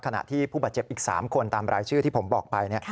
ขณะที่ผู้บาดเจ็บอีก๓คนตามรายชื่อที่ผมบอกไป